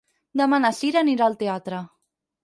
Demà na Cira anirà al teatre.